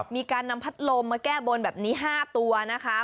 มีการนำพัดลมมาแก้บนแบบนี้๕ตัวนะคะ